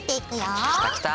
きたきた！